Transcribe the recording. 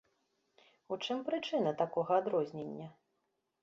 У чым прычына такога адрознення?